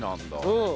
うん。